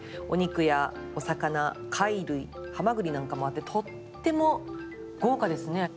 お肉やお魚貝類ハマグリなんかもあってとっても豪華ですね。